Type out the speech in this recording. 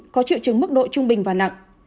có triệu chứng mức độ trung bình và nặng